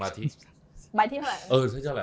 บ่ายที่เท่าไรเออเท่าไรละ๒๐เหรอ